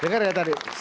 dengar ya tadi